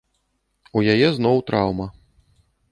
У яе зноў траўма.